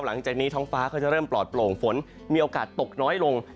หลังจากนี้ท้องฟ้าก็จะเริ่มปลอดโปร่งฝนมีโอกาสตกน้อยลง